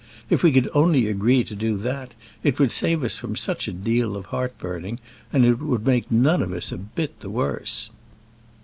If we could only agree to do that, it would save us from such a deal of heartburning, and would make none of us a bit the worse."